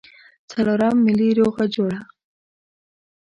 څلورم ملي روغه جوړه.